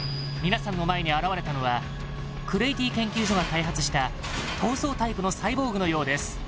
皆さんの前に現れたのはクレイティ研究所が開発した逃走タイプのサイボーグのようです